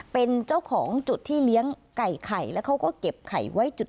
เป็นเจ้าของจุดที่เลี้ยงไก่ไข่แล้วเขาก็เก็บไข่ไว้จุด